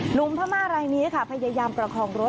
หนุ่มพม่าลายนี้พยายามประคองรถ